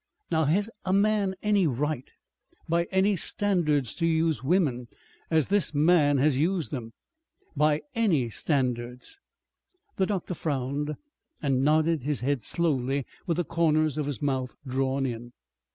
"Now has a man any right by any standards to use women as this man has used them? "By any standards?" The doctor frowned and nodded his head slowly with the corners of his mouth drawn in.